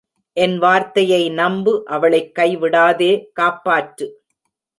என் வார்த்தையை நம்பு அவளைக் கை விடாதே காப்பாற்று!